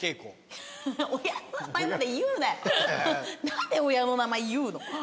何で親の名前言うの？